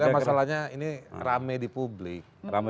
masalahnya ini rame di publik